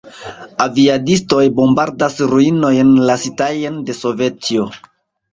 Aviadistoj bombardas ruinojn lasitajn de Sovetio.